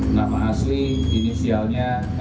nama asli inisialnya